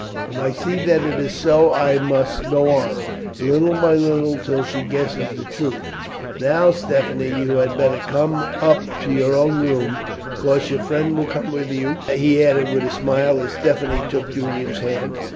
If I see that it is so I must go on, little by little, till she guesses the truth. Now, Stephanie, you had better come up to your own room. Of course, your friend will come with you," he added with a smile as Stephanie took Julian's hand.